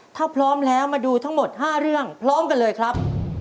ถ้าพร้อมแล้วมาดูทั้งหมด๕เรื่องพร้อมกันเลยครับ